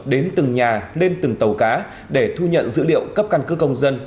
đến từng nhà lên từng tàu cá để thu nhận dữ liệu cấp căn cước công dân